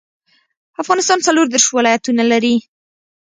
افغانستان څلور ديرش ولايتونه لري.